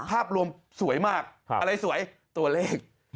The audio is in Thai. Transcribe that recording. ภาพรวมสวยมากอะไรสวยตัวเลข